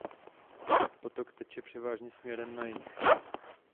Potok teče převážně směrem na jih.